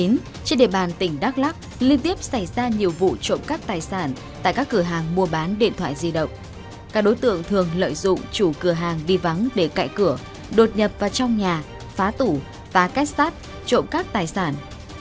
trong năm hai nghìn một mươi chín trên địa bàn tỉnh đắk lắk liên tiếp xảy ra nhiều vụ trộm các tài sản tại các cửa hàng mua bán điện thoại di động các đối tượng thường lợi dụng chủ cửa hàng đi vắng để cậy cửa đột nhập vào trong nhà phá tủ phá két sát trộm các tài sản